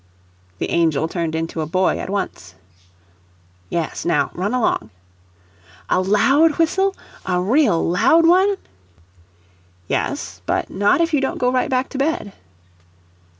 The angel turned into a boy at once. "Yes; now run along." "A LOUD whistle a real loud one?" "Yes, but not if you don't go right back to bed."